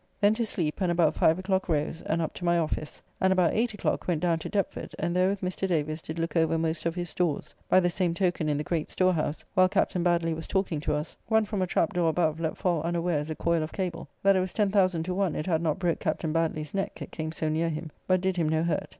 Then to sleep, and about five o'clock rose, and up to my office, and about 8 o'clock went down to Deptford, and there with Mr. Davis did look over most of his stores; by the same token in the great storehouse, while Captain Badily was talking to us, one from a trap door above let fall unawares a coyle of cable, that it was 10,000 to one it had not broke Captain Badily's neck, it came so near him, but did him no hurt.